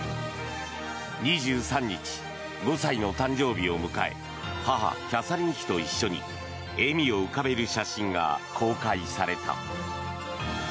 ２３日、５歳の誕生日を迎え母キャサリン妃と一緒に笑みを浮かべる写真が公開された。